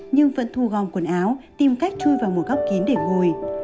nhưng vẫn thu gom quần áo tìm cách chui vào một góc kín để ngồi